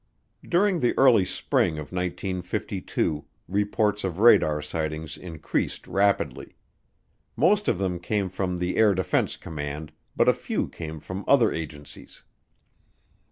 During the early spring of 1952 reports of radar sightings increased rapidly. Most of them came from the Air Defense Command, but a few came from other agencies.